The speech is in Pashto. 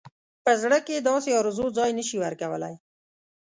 په زړه کې داسې آرزو ځای نه شي ورکولای.